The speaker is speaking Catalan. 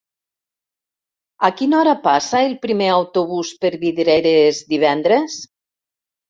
A quina hora passa el primer autobús per Vidreres divendres?